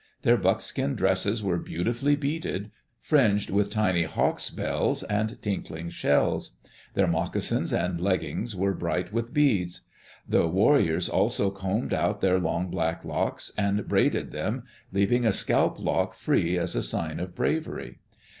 Their buckskin dresses were beautifully beaded, fringed with tiny hawk's bells and tinkling shells. Their moccasins and leggins were bright with beads. The war riors also combed out their long black locks and braided them, leaving a scalp lock free as a sign of bravery.